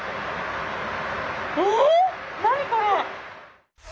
えっ何これ？